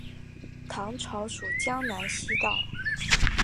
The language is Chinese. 唐朝属江南西道。